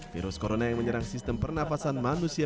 virus corona yang menyerang sistem pernafasan manusia